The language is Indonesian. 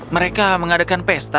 mereka mengadakan pesta